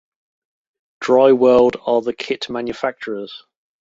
Dryworld are the kit manufacturers.